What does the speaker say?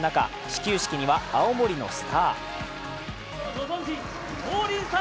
始球式には青森のスター。